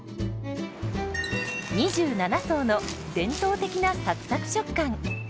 ２７層の伝統的なサクサク食感。